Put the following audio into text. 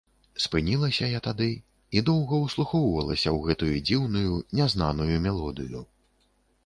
Спынілася я тады і доўга ўслухоўвалася ў гэтую дзіўную, нязнаную мелодыю.